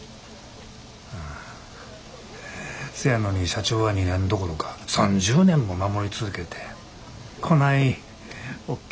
せやのに社長は２年どころか３０年も守り続けてこないおっきい